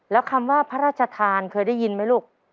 แล้วคำว่าพระราชทานเคยได้ยินไหมลูก